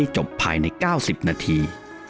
จบภายใน๙๐นาที